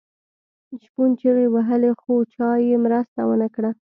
شپون چیغې وهلې خو چا یې مرسته ونه کړه.